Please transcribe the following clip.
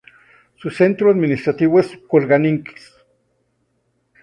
Su centro administrativo es Kurgáninsk.